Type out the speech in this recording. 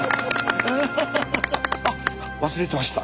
あっ忘れてました。